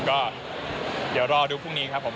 ก็เดี๋ยวรอดูพรุ่งนี้ครับผม